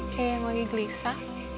kayaknya mau igelisa